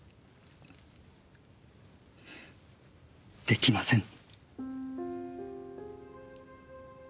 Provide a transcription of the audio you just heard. できません。